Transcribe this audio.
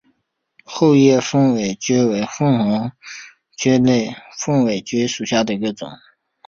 厚叶凤尾蕨为凤尾蕨科凤尾蕨属下的一个种。